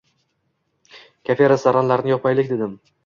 Kafe-restoranlarni yopmaylik dedim